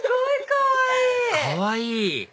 かわいい！